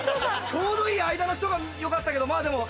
ちょうどいい間の人がよかったけどまぁでも